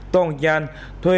tong nhan thuê